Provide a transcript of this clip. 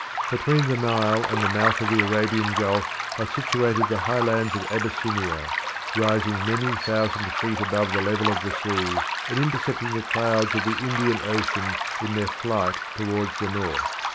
Between the Nile and the mouth of the Arabian Gulf are situated the highlands of Abyssinia, rising many thousand feet above the level of the sea, and intercepting the clouds of the Indian Ocean in their flight towards the north.